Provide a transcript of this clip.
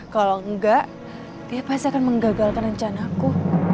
kalau enggak dia pasti akan menggagalkan rencanaku